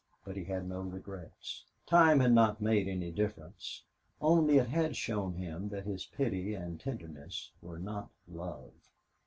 But he had no regrets. Time had not made any difference, only it had shown him that his pity and tenderness were not love.